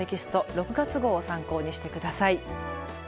６月号を参考にして下さい。